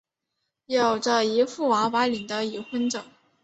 有着一副娃娃脸的已婚者。